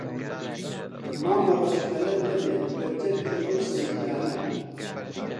مامەڕەش پەلەت نەبێ بە جەددی ئەو سەیدانە